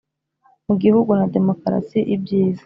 Mu gihugu na demokarasi ibyiza